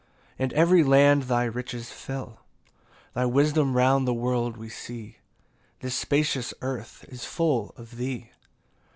And every land thy riches fill: Thy wisdom round the world we see, This spacious earth is full of thee.